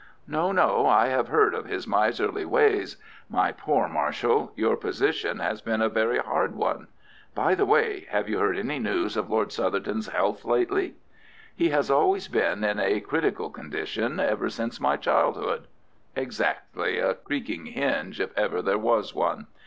"No, no, I have heard of his miserly ways. My poor Marshall, your position has been a very hard one. By the way, have you heard any news of Lord Southerton's health lately?" "He has always been in a critical condition ever since my childhood." "Exactly—a creaking hinge, if ever there was one.